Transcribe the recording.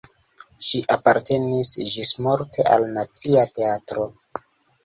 Ŝi apartenis ĝismorte al Nacia Teatro.